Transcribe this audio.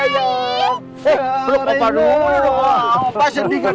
eh belum apa apa